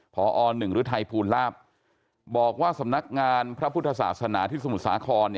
พอ๑ฤทัยภูลลาบบอกว่าสำนักงานพระพุทธศาสนาที่สมุทรสาคร